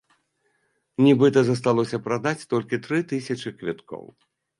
Нібыта, засталося прадаць толькі тры тысячы квіткоў.